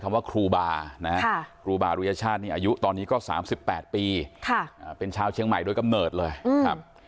อายุตอนนี้ก็สามสิบแปดปีค่ะอ่าเป็นชาวเชียงใหม่โดยก็เมิดเลยครับ